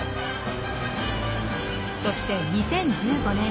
そして２０１５年。